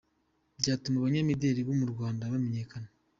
Bwatuma abanyamideli bo mu Rwanda bamenyekana.